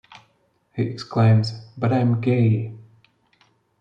He exclaims, But I'm gay!